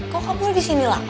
kok kamu disini lagi